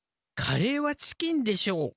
カレーはチキンでしょ。